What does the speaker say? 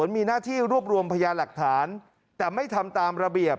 มีหน้าที่รวบรวมพยาหลักฐานแต่ไม่ทำตามระเบียบ